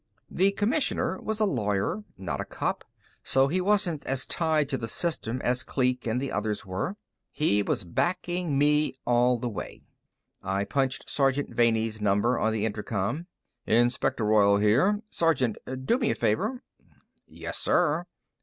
The Commissioner was a lawyer, not a cop, so he wasn't as tied to the system as Kleek and the others were. He was backing me all the way. I punched Sergeant Vanney's number on the intercom. "Inspector Royall here, Sergeant. Do me a favor." "Yes, sir."